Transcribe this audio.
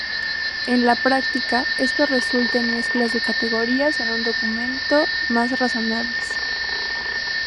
En la práctica, esto resulta en mezclas de categorías en un documento más razonables.